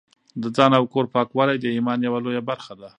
د ځان او کور پاکوالی د ایمان یوه لویه برخه ده.